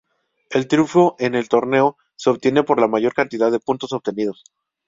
El triunfo en el torneo se obtiene por la mayor cantidad de puntos obtenidos.